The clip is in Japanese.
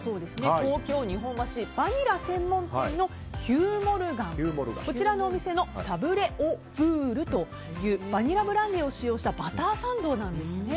東京・日本橋、バニラ専門店のヒュー・モルガン、こちらのサブレ・オ・ブールというバニラブランデーを使用したバターサンドなんですね。